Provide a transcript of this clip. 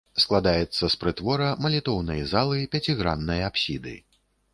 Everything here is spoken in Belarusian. Складаецца з прытвора, малітоўнай залы, пяціграннай апсіды.